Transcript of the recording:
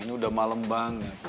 ini udah malem banget